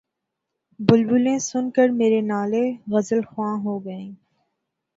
بلبلیں سن کر میرے نالے‘ غزلخواں ہو گئیں